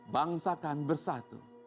bangsa kami bersatu